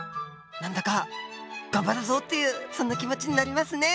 何だか「頑張るぞ」というそんな気持ちになりますね。